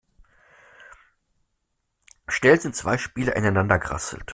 Schnell sind zwei Spieler ineinander gerasselt.